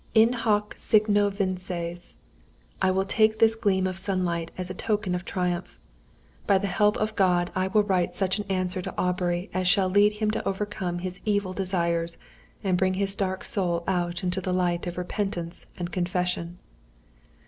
In hoc signo vinces! I will take this gleam of sunlight as a token of triumph. By the help of God, I will write such an answer to Aubrey as shall lead him to overcome his evil desires, and bring his dark soul out into the light of repentance and confession."